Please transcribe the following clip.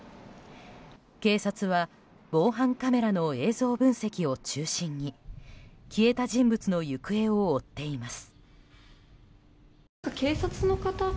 警察は防犯カメラの映像分析を中心に消えた人物の行方を追っています。